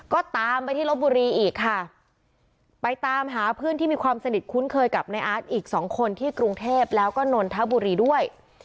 ก็ตามไปที่ลบบุรีอีกค่ะไปตามหาเพื่อนที่มีความสนิทคุ้นเคยกับในอาร์ตอีกสองคนที่กรุงเทพแล้วก็นนทบุรีด้วย